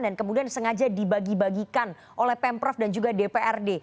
dan kemudian sengaja dibagi bagikan oleh pemprov dan juga dprd